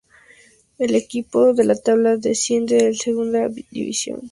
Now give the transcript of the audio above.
El último equipo de la tabla desciende a la Segunda División.